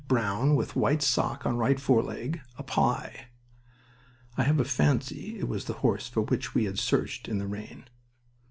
Brown, with white sock on right foreleg. Apply " I have a fancy it was the horse for which we had searched in the rain.